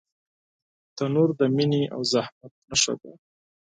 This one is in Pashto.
تنور د مینې او زحمت نښه ده